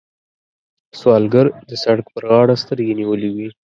سوالګر د سړک پر غاړه سترګې نیولې وي